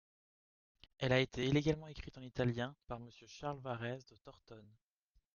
Elle a été élégamment écrite en italien par Monsieur Charles Varese de Tortone.